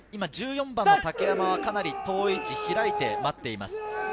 １４番の竹山はかなり遠い位置、開いて待っています。